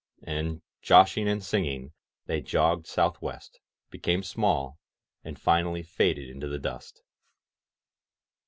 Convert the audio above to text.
And, joshing and singing, they jogged southwest, became small, and finally faded into the dust.